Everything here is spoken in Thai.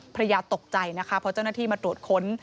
ภรรยาตกใจนะคะเพราะเจ้าหน้าที่มาตรวจค้น